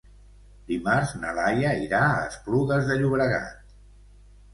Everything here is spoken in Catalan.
Dimarts na Laia irà a Esplugues de Llobregat.